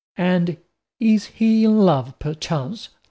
"And is he in love perchance?"